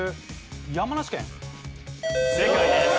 正解です。